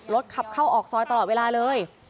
ขับเข้าออกซอยตลอดเวลาเลย